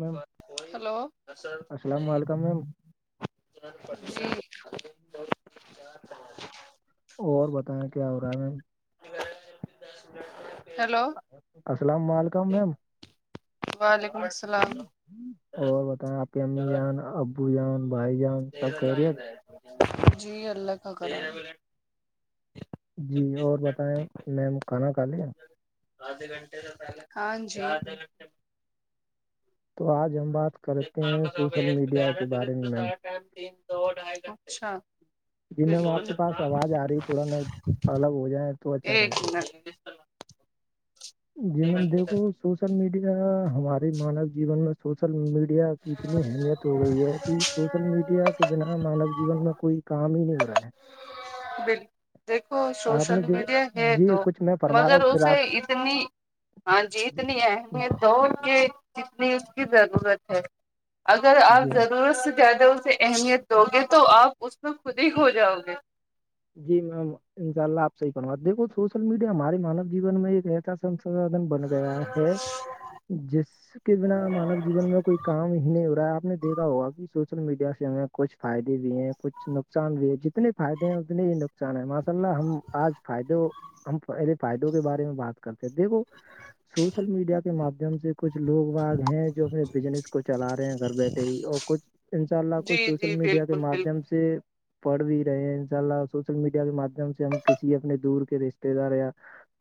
میم hello sir السلام علیکم میم [unintelligible] [inaudible] اور بتائیں کیا ہو رہا ہے ہم ہیلو [unintelligible] السلام علکم میم وعلیکم السلام اور بتائیں آپ کی امی جان ابو جان بھائی جان [unintelligible] خیریت جی اللہ کا کر [unintelligible] جی اور بتائیں میم کھانا کا لے آدے گھنٹے پ ہاں جی آدھے گنٹے تو آج ہم بات کرتے م ہیں سوشل میڈیا کے بارے میں میم سا ٹائم تین دو ڈھائی گھٹے جی میم آپ کے پاس آواز آ رہی تھوڑا نا [unintelligible] الگ ہو جائیں تو اچھا ایک رہے [unintelligible] جیم دیکھو سوشل میڈیا ہمارے مانو جیون میں سوشل کی اتنی اہمیت ہو گئی ہے کہ سوشل میڈیا کے بنا [unintelligible] ہاں مانو جین میں کوئی کام ہی نہیں ہو رہا ہے [unintelligible] بالکل دیکھو آپ سوشل نے دے- میڈیا ہے جی تو کچھ میں فرما رہا مگر ہوں پھر اسے آپ [unintelligible] اتنی ہاں جی اتنی اہمیت د کہ [unintelligible] اپنی اس کی ضرورت ہے اگر آپ جی ضرورت سے زیادہ اسے [unintelligible] اہمیت دو گے تو آپ اس میں خود ہی کھو جاؤ گے [unintelligible] جی میم ان شاء اللہ آپ سے ہی بنوا دیکو سوشل میڈیا ہمارے مانو جیون میں ایک ایسا [unintelligible] سسھن بن گیا ہے [unintelligible] جس کے بنا مانو جیون میں کوئی کام ہی نہیں ہو رہا ہے آپ نے دیکھا ہوگا کہ سوشل میڈیا سے ہمیں کچھ فائدے بھی ہیں کچھ نقصان بھی ہے جتنے فائدے ہیں اتنے ہی نقصان ہیں ہماں مس ہم آج فائدوں ہم پہے فائدوں کے بارے میں بات کرتے ہیں دیکھو سوشل میڈیا کے مادھیم سے کچھ لوگ واگ ہیں جو اپنے بزنس کو چلا رہے ہیں گھر بیٹھے ہی اور کچھ انشاء اللہ کچھ جی سوشل جی میڈیا کے بالکل مادھیم بالکل سے پڑھ بھی رہے ہیں ان شاء اللہ سوشل میڈیا کے مادھیم سے ہم کسی اپنے دور کے رشتے دار یا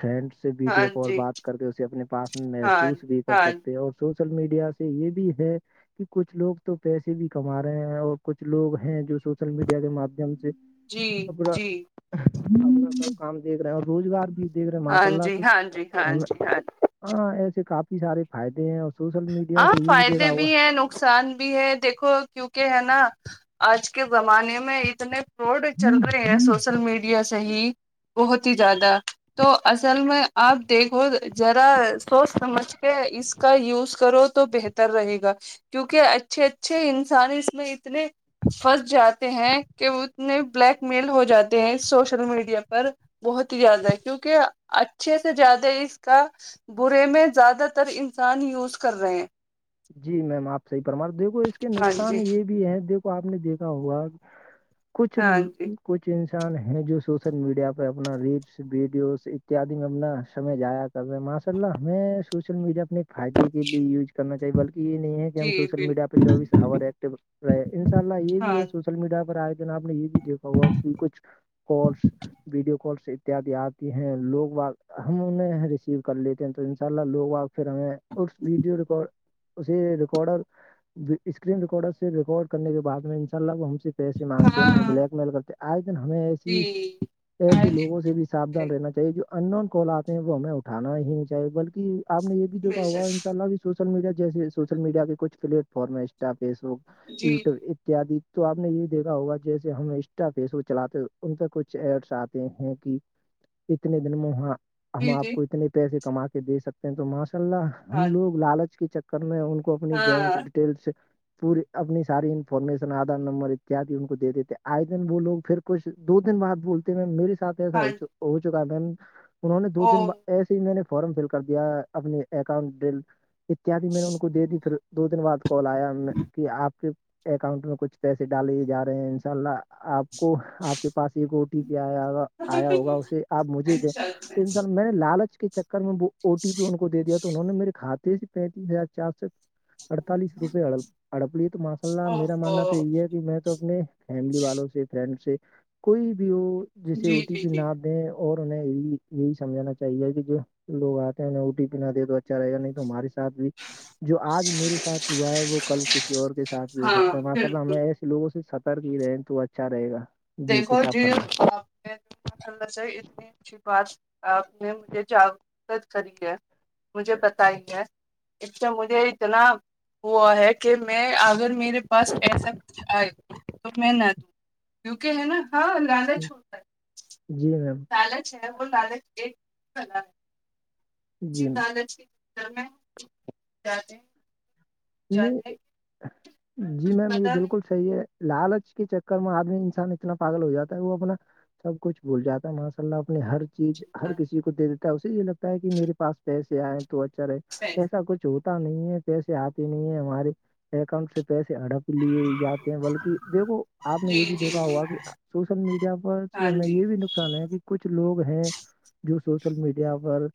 فرینڈ سے ہاں ویڈیو کال جی بات کر کے اسے اپنے پاس میں ہاں محسوس بھی کر ہاں سکتے اور سوشل میڈیا سے یہ بھی ہے کہ کچھ لوگ تو پیسے بھی کما رہے ہیں اور کچھ لوگ ہیں جو سوشل میڈیا کے مادھیم سے جی جی نا سب کام دیکھ رہے ہیں اور روزگار بھی دیکھ رہے ماشاء ہاں اللہ جی تو ہاں جی ہاں ہمیں جی ہاں جی ہاں ایسے کافی سارے فائدے ہیں اور سوشل میڈیا ہاں سے یہ فائدے دیکھا ہوا بھی ہیں ن نقصان بھی ہے دیکھو کیونکہ ہے نا آج کے زمانے میں اتنے روڈ چل رہے ہیں سوشل میڈیا سے ہی بہت ہی زیادہ تو اصل میں آپ دیکھو ذرا سوچ سمجھ کے اس کا یوز کرو تو بہتر رہے گا کیونکہ اچھے اچھے انسان اس میں اتنے پھنس جاتے ہیں کہ اتنے بلیک میل ہو جاتے ہیں سوشل میڈیا پر بہت ہی زیادہ ہے کیونکہ اچھے سے زیادہ اس کا برے میں زیادہ تر انسان یوز کر رہے ہیں جی میم آپ صحی پرمار دیکھو اس کے ہاں جی نقصان یہ بھی ہے دیک آپ نے دیکھا ہوا کچھ ہاں جی کچھ انسان ہیں جو سوسل میڈیا پہ اپنا ریلس ویڈیوز اتیادی میں اپنا سمج جایا سب ماشاء اللہ ہمیں سوشل میڈیا اپنے فائدے کے لیے یوز کرنا بلکہ یہ نہیں ہے کہ ہم جی سوشل بال میڈیا پہ چوبیس آور ایکٹو رہے ان شاء اللہ یہ بھی ہے سوشل ہاں سوشل میڈیا پر آئے دن آپ نے یہ بھی دیکا ہوا کہچھ کالس ویڈیو کالس اتد آتی ہیں لوگ باگ ہم انہیں ریسیو کر لیتے ہیں تو ان شاء اللہ لوگ باگ پھر ہمیں اور ویڈیو ریکارڈ اسے ریکارڈر اسکرین ریکارڈر سے ریکارڈ کرنے کے بع میں ان شاء اللہ ہم پیسے مانگتے ہمیں ہاں بلیک میل کرتے آج دن ہمیں جی ایسی ایسے آئے لوگوں سے بھی ساابھان رہنا چاہیے جو ان نون کال آتے ہیں وہ ہمیں اٹھانا ہی نہیں چاہیے بلکہ آپ نے یہ جو بے ہوگا شک اناء اللہ بھی سوشل میڈیا جیسے سوشل مڈیا کے کچھ پلیٹ فارم ہے انسٹا فیس بک جی یوٹیوب اتیاد تو آپ نے یہ بھی دیکھا ہوگا جیسے ہم انسٹا فیس بک چلاتے ان پہ کچھ ایڈس آتے ہیں کہ اتنے دن موہاں [unintelligible] ہم جی جی آپ جی کو اتنے پیسے کما کے دے سکتے ہیں تو ماشاء اللہ ہم ہاں جی لوگ لالچ کے چکر میں ان کو اپنی بینک ہاں ڈیٹیلس پوری اپنی ساری انفارمیشن آدار نمبر اتیاد ان کو دے دیتے آئے دن وہوگ پھر کچھ دو دن بعد بولتے میم میرے ساتھ ایسا ہو ہاں جی ہو چکا ہے میم انہوں نے دو او دن بعد ایسے ہی میں نے فارم فل کر دیا اپنے اکاؤنٹ ڈٹیل اتیاد میں نے ان کو دے دی پھر دو دن بعد کال آیا میں کہ آپ کے اکاؤنٹ میں کچھ پیسے ڈالے جا رہے ہیں ان شاء اللہ آپ کو آپ کے پاس ایک اوٹی پ آیا ہوگا آیا ہوگا اسے آپ مجھے دیں اچھا اچھا تو انا ال میں نے لالچ کے چکر میں وہ او ٹی پی ان کو دے دیا تھا تو انہوں نے میرے کھاتے سے پینتیس ہزار چار سو اڑتالیس روپئے اڑ ہڑپ لیے تو ماشاء اللہ او میرا او ماننا تو یہ ہے کہ میں تو اپنے فیملی والوں سے فرینڈ سے کوئی بھی وہ جیسے او جی ٹی جی پی نہ جی آ اور انیں یہی یہی سمجھنا چاہیے کہ جو لو آتے ہیں ا ٹی پی نہ دیے تو اچھا رہے گا نہیں تو ماری س بھی جو آج میرے ساتھ ہوا ہے وہ کل کسی اور کے ساتھ بھی ہو ہاں سکتا ہے ماشاء اللہ بالکل ہمیں ایسے لوگوں سے سترک ہی رہے تو اچھا رہے گا دیکھو کچھ آپ جی فرمائیں [unintelligible] [unintelligible] مشلہ سے اتنی اچھی بات آپ نے مجھے جاگرت کری ہے [unintelligible] [unintelligible] مجھے پتا ہی ہے ایک تو مجھے اتنا [unintelligible] [unintelligible] ہوا ہے کہ میں اگر میرے پاس ایسا کچھ آئے تو میں نہ دوں کیونکہ ہے نا ہاں لدہ چھوڑتا ہے جی میم پال ہے وہ لالچ ایک کلا ہے جی لالچ کی [unintelligible] [unintelligible] سھر میں ج [unintelligible] [unintelligible] نہیں جی کچھ میم یہ پتا نہیں بالکل [unintelligible] چاہیے لالچ کے چکر میں آدمی انسان اتنا پاگل ہو جاتا ہے وہ اپنا [unintelligible] سب کچھ بھول جاتا ہے ماشاء اللہ اپنے ہر [unintelligible] چیز ہر کسی کو دے دیتا ہے اسے یہ لگتا ہے کہ میرے پاس پیسے آئے تو اچھا رہے ایسا کچھ [unintelligible] جو ہوتا نہیں ہے پیسے آتی نہیں ہے ہمارے اکاؤنٹ سے پیسے ہڑپ [unintelligible] لیے جاتے ہیں بلکہ دیکھو آپ نے یہ جی بھی جی دیکھا جی ہوگا کہ سوشل میڈیا پر ہاں ہمیں جی یہ بھی نقصان ہے کہ [unintelligible] کچھ لوگ ہیں جو سوشل میڈیا پر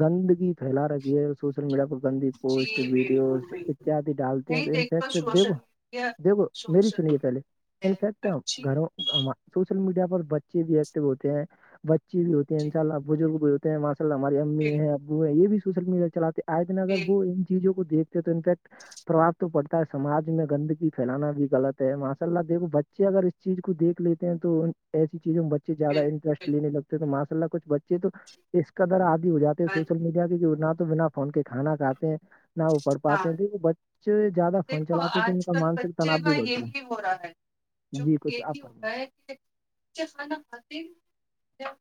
گندگی [unintelligible] پھیلا رکھی ہے سوشل میڈیا پر گندی جی پوسٹ بالکل ویڈیوز [unintelligible] بالکل اتد ڈالتے ہیں تو نہیں دیکھو انفیکٹ دھو سوشل میڈیا دھو میری سوشل سنیے پہلے میڈیا ان فیکٹ اچھی ہے گھروں [unintelligible] سوشل میڈیا پر بچے بھی ایکٹو ہوتے ہیں بچے بھی ہوتے ہیں جی ان شاء اللہ بزرگ بھی [unintelligible] ماشا اللہ ہماری امی بالکل ہیں ابو ہیں یہ بھی سوشل میڈیا چلے آئے دن اگر وہ بالکل ان چیزوں کو دیکتے تو انفیکٹ [unintelligible] پربا تو پڑتا ہے سمج میں گندگی پھیلانا بھی غلط ہے ماشاء اللہ دیکھو بچے اگر چیز کو دیکھ لیتے ہیں تو [unintelligible] ایسی چیزوں میں بچے زیادہ انٹرسٹ بالکل لینے لگتے ہیں تو ماشاء اللہ کچھ بچے تو اس کا در [unintelligible] ہو جاتے ہیں ہاں سوشل جی، میڈیا کی نہ تو بنا فون کے کھانا کاتے ہیں نہ وہ پھ پاتے [unintelligible] ہاں کیونکہ وہ بچے زیادہ فون دیکھو چلاتے ہیں تو ان آج کا کل مانسک تناؤ بچے بھی کا بڑھتا ہے یہی ہو رہا ہے [unintelligible] جی کچھ آ پر [unintelligible] اھ کھانا کھاتے ہیں [unintelligible]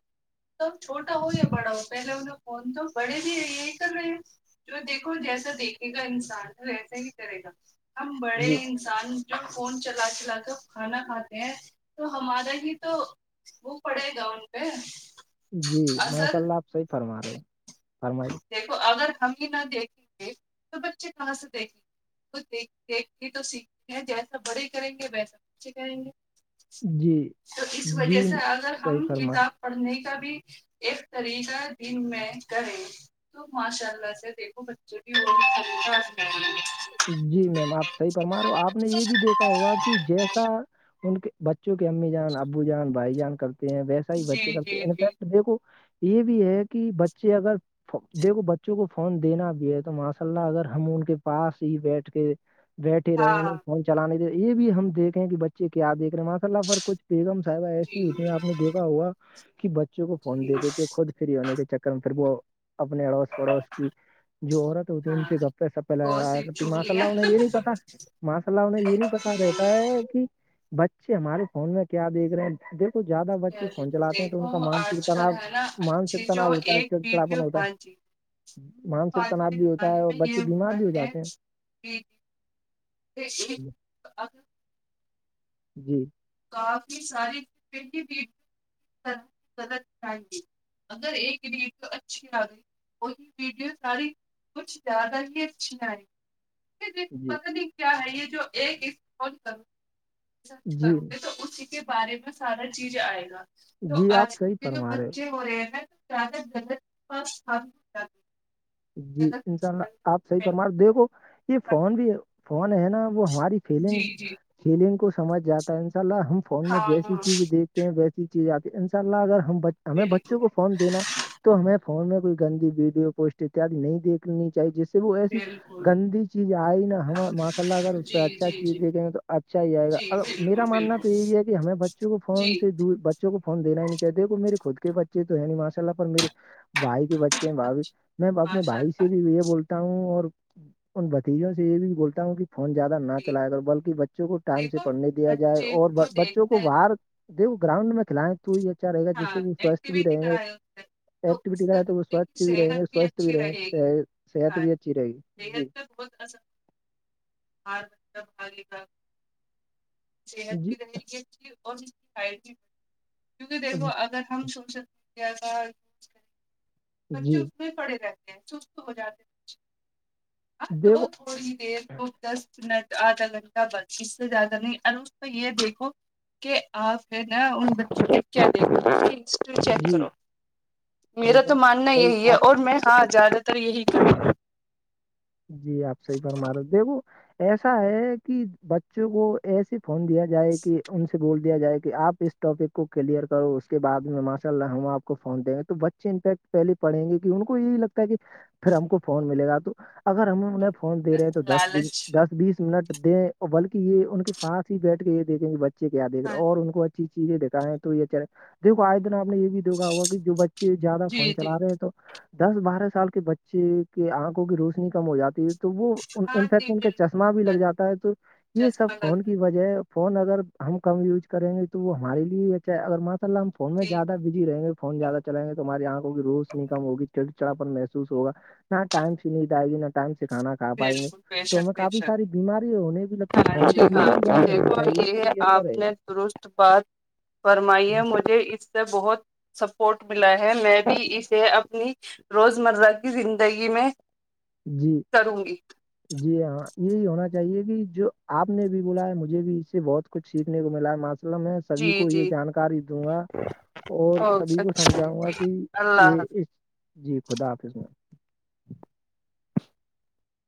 توب چھوٹا ہو یا بڑا ہو پہلے انہگ فون تو بڑے بھی رہ یہی کر رہے ہیں [unintelligible] تو دیکھو جیسا دیکھے گا انسان تو ویسا ہی کرے گا ہم بڑے جی [unintelligible] انسان جب فون چلا چلا کر کھانا کھاتے ہیں تو ہمارا ہی تو [unintelligible] پو پڑے گا انن پ [unintelligible] جی ماشاء اللہ آپ صحیح فرما رہے ہو فرمائی [unintelligible] دیکھو اگر ہم ہی نہ دیکھیں گے تو بچے کہاں سے دیکھیں گے [unintelligible] وہ دیکھ دیکھ کے تو سیکھتے ہیں جیسا بڑے کریں گے ویسا اچھے کریں گے [unintelligible] جی تو اس وجہ جی سے اگر صحیح ہم فرما کتاب پڑھنے کا بھی ایک طریقہ ہے جن میں [unintelligible] اے تو ماشاء اللہ سے دیکھو بچوں کیم [unintelligible] جی میم آپ صحیح فما رہے ہو آپ نے یہ بھی دیکھا ہوگا کہ جیسا [unintelligible] ان کے بچوں کے امی جان ابو جان بھائی جان کرتے ہیں ویسے [unintelligible] بچے جی جی کرتے جی انفیکٹ دیکو یہ بھی ہے کہ بچے اگر [unintelligible] دیکھو بچوں کو فون دینا بھی ہے تو ماشاء اللہ اگر ہم ان کے پاس ہی بیٹھ کے بیٹھے رہے ہیں ہاں انہیں پہنچ [unintelligible] چلانے یہ بھی ہم دیکھ ہیں کہ بچے کیا دیک رہے ہیں ماشء اللہر کچھ [unintelligible] بیگم صاحبہ ایسی جی ہوتی ہیں آپ نے دیکھا ہوا کہ بچوں کو فون جی دے دیتے خود [unintelligible] فری ہونے کے چکر میں پھر وہ اپنے اڑوس [unintelligible] پڑوس کی جو عورت ہوتی ان ہاں سے گپ پے سپ پہ لایا گوسپ کرتی ماشا چگلیاں اللہہیں یہ نہیں پتا [unintelligible] ماشاء اللہ انہیں یہ نہیں پتا رہتا ہے کہ بچے ہمارے فون میں کیا دیکھ رہے ہیں [unintelligible] دیکو زیادہ بچے فون چلاتے ہیں تو ان دیکھو کا مانسک آج کل تناؤ ہے نا اچھی مانسک جو تناؤ ہوتا ہے [unintelligible] ایک ویڈیو ہوتا ہاں جی ہے مانسک آج تناؤ کے بھی ہوتا زمانے ہے اور میں یہ بچے ہو بیمار رہا بھی ہے جاتے ہیں جی ج [unintelligible] جی کافی ساری پی بھی غلط چاہے اگر ایک ریٹ اچھی آ گئی ای ویڈیو ساری کچھ زیادہ ہی اچھھی ہیں [unintelligible] دیکھو جی پت نہیں کیا ہے یہ جو ایک اسال کرو جی کرو [inaudible] تو اسی کے بارے میں سارا چیز آئے گا تو جی آپ آج کل صحیح کے جو فرما رہے بچے ہو رہے ہیں نا [unintelligible] گغلت پاس [unintelligible] جی انشاء اللہ آپ صحیح پرمار دیکھو یہ فون بھی فون ہے نا وہ ہماری فیلنگ جی جی فیلنگ کو سمجھ جاتا ہے انشاء اللہ ہم فون میں ہاں جیسی ہاں چیز دیکھ ویسی چیز آتی ہے ان شاء اللہ اگر ہم ہمیں بالکل بچوں کو فون دینا تو ہمیں فون میں کوئی گندی ویڈیو پوسٹ اتیاد نہیں دیکھنی چاہیے جس وہ ہویا سے [inaudible] بالکل گندی چیز آئے نا ہم ماشاء اللہ اگر اس سے جی اچھا جی چیز جی دیکھیں گے تو اچھا ہی آئے گا جی ا بالکل میرا ماننا بالکل تو یہی ہے کہ ہمیں بچوں کو جی فون سے بچوں کو فون دا ہی نہیں چاہتے میرے خود کے بچے تو ہے نہیں ماشاءلہ پر مے بائی کے بچے ہیں بھ اچھا میں اپنے ماشاء بھائی سے اللہ بھی یہ بولتا ہوں اور ان بھتیجوں سے یہ بھی بولتا ہوں کہ فون زیادہ نہ جی چلیا کر بلکہ بچوں کو ٹائم سے دیکھو پڑھنے دیا جائے بچے اور کو بچوں کو دیکھنے باہر د گراؤنڈ میں کھلائیں تو یہ رہے گا جس سے ہاں وہ سوچھ بھی ایکٹیویٹی رہیں گے کرائے اس سے تو ایکٹیو اس ک سے ہے تو وہ بچے کی سوچھ بھی رہیں گے صحت سوچھ بھی اچھی گی رہے صحت بھی اچھی رہے گی جی ہ ب کا [inaudible] صحت جی بھی رہے گی ا اور اس کی بھی [inaudible] کیونکہ دیکھو اگر ہم سوشل میڈیا کا ز کر بچے جی اس میں پڑے رہتے [inaudible] مسوس تو ہو جاتےچ دیکھو ہ [inaudible] تھوڑی دیر کو دس منٹ آدھا گھنٹہ بس اس سے زیادہ نہیں ار اس کو یہ دیکھو [inaudible] کہ آپ ہے نا ان بچوں کے کیا د [inaudible] چیک جی کرو میرا تو ماننا صحیح یہی آپ ہے اور میں ہاں زد [inaudible] تر یہی [inaudible] جی آپ صحی پرمارے دیکھو ایسا ہے کہ ب بچوں کو ایس فون دیا جائے کہ ان بول دیا جائے کہ آپ اس ٹاپک کو کلیئر کرو اس کے بع میں ماشاء اللہ ہوں آپ کو فون دیں گے تو بچے انفیکٹ پہلے پڑھیں گے کہ ان کو یہی لگتا ہے کہ پھر ہم کو فون ملے گا تو اگر ہم انہیں فون دے رہے ہیں تو دس بیس لالچ دس بیس منٹ دیں اور بلکہ یہ ان کے پاس ہی بیٹھ کے یہ دتےیں کہ بچے کیا دیک رہ ہاں اور ان کو اچھے ا چیزیں دکھایں تو یہ اے دیکو آج دن آپ نے یہ بھی گ ہوا کہ جو بچے زیادہ جی فون جی چلا رہے ہیں تو دس بارہ سال کے بچے کے آنکھوں کی روشنی کم ہو جاتی ہے تو وہ ہاں انفیکٹ جی ان کا چشمہ بھی لگ بالکل جاتا ہے تو یہ جیسے سب میں فون کی وجہ فون اگر ہم کم یوز کریں گے تو وہ ہمارے لیے اچ اگر ماشا اللہ ہم سے فون میں جی زیادہ بزی رہیں گے فون زیادہ چلیں گے تمہاری آنکھوں کی روز نہیں کم ہوگ چڑ چڑا پر محسوس ہوگ نہ ٹائم سی نہیں آئے گیا ٹائم سے کھا [inaudible] کا پائیں گے بالکل بے تو شک ہمیں بے کافی شک ساری بیماری ہونے بھی لگتی ہے ہاں فون جی سے ہاں دوری ہی بنائے رکھنی چاہیے توی یہ اچھا رہے گا در بات فرمائی ہے مجھے اس سے بہت [inaudible] سپورٹ ملا ہے میں بھی اسے اپنی روز مرہ کی زندگی میں جی کروں گی جی ہاں یہی ہونا چاہیے کہ جو آپ نے بھی بولا ہے مجھے بھی اس سے بہت کچھ سیکھنے کو ملا ہے ماسلہ میں سبھی جی کو یہ جی جانکاری دوں گا اور سبھی اوکے کو اچھا سمجھاؤں گا کہ اللہ یہ حافظ اس جی خدا حافظ میں